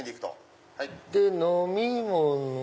で飲み物